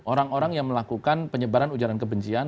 orang orang yang melakukan penyebaran ujaran kebencian